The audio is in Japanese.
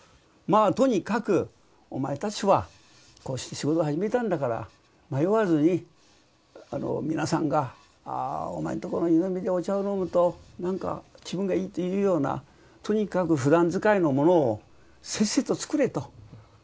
まあとにかくお前たちはこうして仕事を始めたんだから迷わずに皆さんがお前のとこの湯飲みでお茶を飲むとなんか気分がいいっていうようなとにかくふだん使いのものをせっせと作れと。